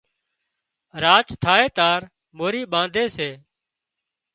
راچ ٿائي تار مورِي ٻانڌي سي